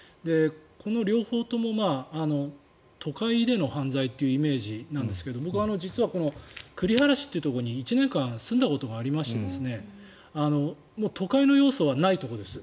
この両方とも都会での犯罪というイメージなんですが僕、実は、栗原市というところに１年間住んだことがありまして都会の要素はないところです。